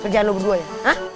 kerjaan lu berduanya ha